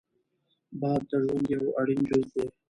باد د ژوند یو اړین جز دی